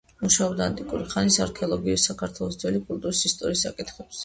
მუშაობდა ანტიკური ხანის არქეოლოგიის და საქართველოს ძველი კულტურის ისტორიის საკითხებზე.